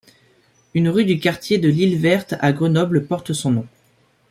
Une rue du quartier de l'Île Verte à Grenoble porte son nom.